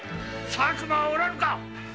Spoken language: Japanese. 佐久間はおらぬか！